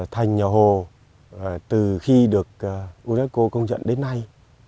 thành nhà hồ từ khi được unesco công nhận đến nay